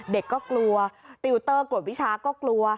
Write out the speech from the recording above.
เด็กก็กลัวติวเตอร์กดวิชาก็กลัว